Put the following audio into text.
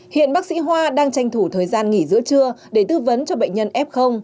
hiện bác sĩ hoa đang tranh thủ thời gian nghỉ giữa trưa để tư vấn cho bệnh nhân f